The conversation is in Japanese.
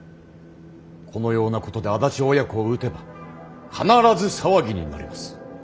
このようなことで安達親子を討てば必ず騒ぎになります。